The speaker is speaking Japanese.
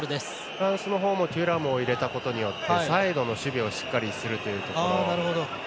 フランスの方もテュラムを入れたことによってサイドの守備をしっかりするというところ。